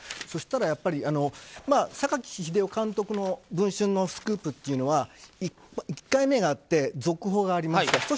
そしたら、榊英雄監督の「文春」のスクープというのは１回目があって続報がありました。